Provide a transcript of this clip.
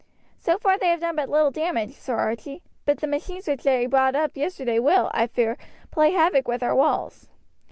"So far they have done but little damage, Sir Archie; but the machines which they brought up yesterday will, I fear, play havock with our walls.